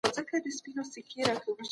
هیلې راتلونکی جوړوي.